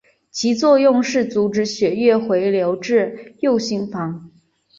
其作用是阻止血液回流至右心房。